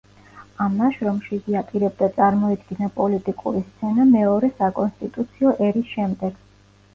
ამ ნაშრომში, იგი აპირებდა წარმოედგინა პოლიტიკური სცენა მეორე საკონსტიტუციო ერის შემდეგ.